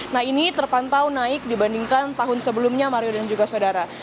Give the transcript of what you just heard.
nah ini terpantau naik dibandingkan tahun sebelumnya mario dan juga saudara